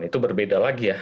itu berbeda lagi ya